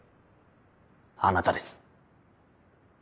あなたです。